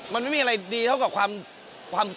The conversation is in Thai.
มันไม่มีอะไรดีเท่ากับความ